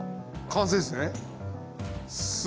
完成ですね。